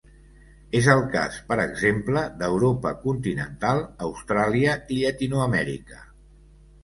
És el cas, per exemple, d'Europa continental, Austràlia i Llatinoamèrica.